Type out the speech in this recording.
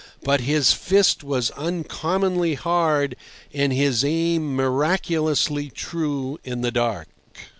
But his fist was uncommonly hard and his aim miraculously true in the dark.